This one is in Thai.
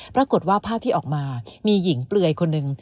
ปรากฏว่าภาพที่ออกมามีหญิงเปลือยคนหนึ่ง